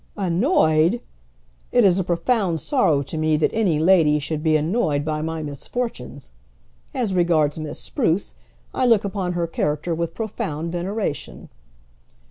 "Annoyed! It is a profound sorrow to me that any lady should be annoyed by my misfortunes. As regards Miss Spruce, I look upon her character with profound veneration."